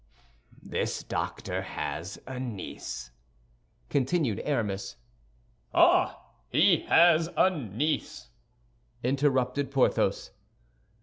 "This doctor has a niece," continued Aramis. "Ah, he has a niece!" interrupted Porthos.